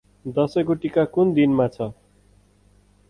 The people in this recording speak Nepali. दसैँको टीका कुन दिन मा छ?